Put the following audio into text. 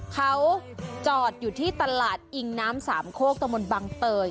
เขาจอดอยู่ที่ตลาดอิงน้ำสามโคกตะมนต์บังเตย